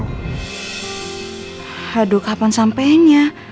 aduh kapan sampainya